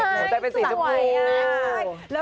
สดใสเป็นสีจะบู